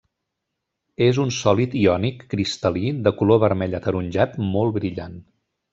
És un sòlid iònic cristal·lí de color vermell ataronjat molt brillant.